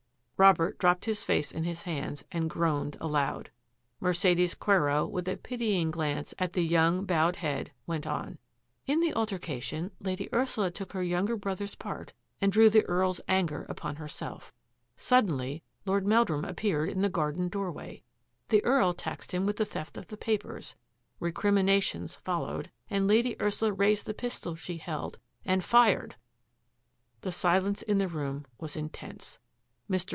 Robert dropped his face in his hands and groaned aloud. Mercedes Quero, with a pitying glance at the young, bowed head, went on, " In the altercation Lady Ursula took her younger brother's part and drew the Earl's anger upon herself. Suddenly Lord Meldrum appeared in the garden doorway. The Earl taxed him with the theft of the papers, recriminations followed, and Lady Ursula raised the pistol she held — and fired !" The silence in the room was intense. Mr.